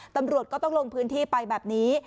ตำรวจก็ต้องลงพื้นที่ไปแบบนี้